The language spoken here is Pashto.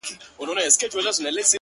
• یوه ورځ به د ښکاري چړې ته لویږي ,